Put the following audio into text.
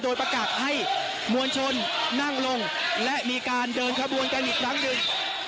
โดยประกาศให้มวลชนนั่งลงและมีการเดินขบวนกันอีกครั้งหนึ่ง